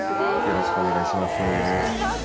よろしくお願いします。